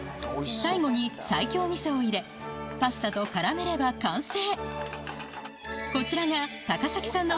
最後に西京みそを入れパスタと絡めれば完成